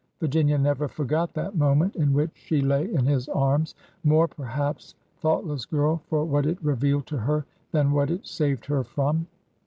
Virginia never forgot that moment in which she lay in his arms — more, perhaps, thoughtless girl ! for what it revealed to her than what it saved her from.